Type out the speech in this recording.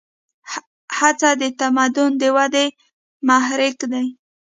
هڅه د تمدن د ودې محرک دی.